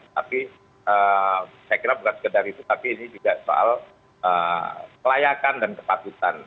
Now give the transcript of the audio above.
tapi saya kira bukan sekedar itu tapi ini juga soal kelayakan dan kepatutan